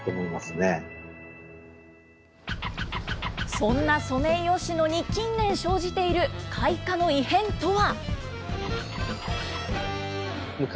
そんなソメイヨシノに近年生じている開花の異変とは？